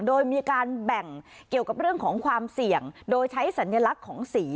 โดยมีการแบ่งเกี่ยวกับเรื่องของความเสี่ยงโดยใช้สัญลักษณ์ของสี